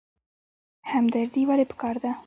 همدردي ولې پکار ده؟